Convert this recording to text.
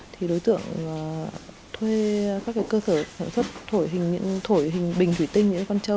thì đối tượng thuê các cái cơ sở sản xuất thổi hình bình thủy tinh những con châu